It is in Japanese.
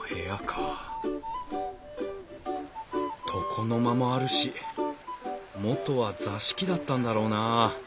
床の間もあるし元は座敷だったんだろうなあ。